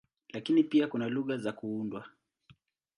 Lakini pia kuna lugha za kuundwa.